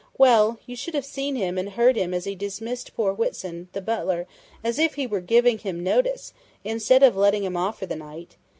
"Well, you should have seen him and heard him as he dismissed poor Whitson the butler as if he were giving him notice, instead of letting him off for the night!